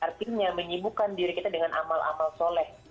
artinya menyibukkan diri kita dengan amal amal soleh